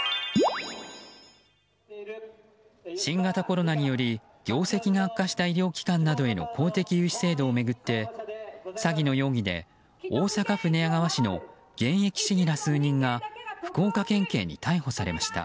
新型コロナにより業績が悪化した医療機関などへの公的融資制度を巡って詐欺の容疑で大阪府寝屋川市の現役市議ら数人が福岡県警に逮捕されました。